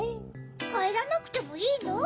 かえらなくてもいいの？